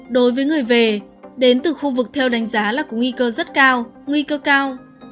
đối với người về đến từ khu vực theo đánh giá là có nguy cơ rất cao nguy cơ cao